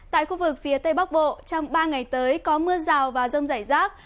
tại khu vực phía tây bắc bộ trong ba ngày tới có mưa rào và rông rải rác